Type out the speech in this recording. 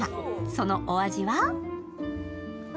そのお味は？